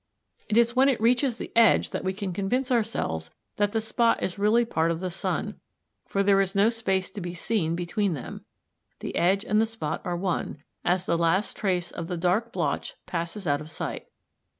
It is when it reaches the edge that we can convince ourselves that the spot is really part of the sun, for there is no space to be seen between them, the edge and the spot are one, as the last trace of the dark blotch passes out of sight.